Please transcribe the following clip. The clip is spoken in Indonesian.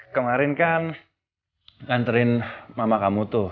kemarin kan nganterin mama kamu tuh